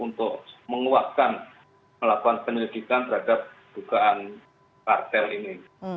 untuk menguaskan melakukan penelitikan terhadap dugaan kartel ini